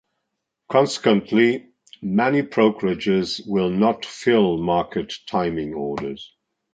Consequently, many brokerages will not fill market-timing orders.